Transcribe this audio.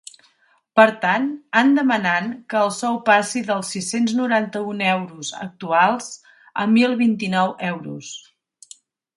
Per tant, han demanant que el sou passi dels sis-cents noranta-un euros actuals a mil vint-i-nou euros.